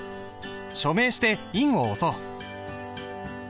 署名して印を押そう。